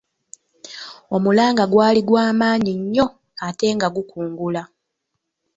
Omulanga gwali gwamanyi nnyo ate nga gukungula.